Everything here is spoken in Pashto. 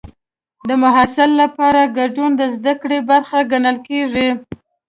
د محصل لپاره ګډون د زده کړې برخه ګڼل کېږي.